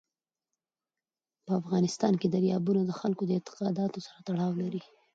په افغانستان کې دریابونه د خلکو د اعتقاداتو سره تړاو لري.